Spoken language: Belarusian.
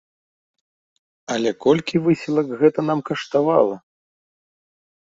Але колькі высілак гэта нам каштавала!